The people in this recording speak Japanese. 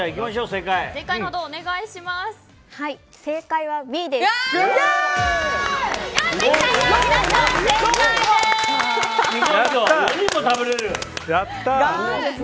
正解はＢです！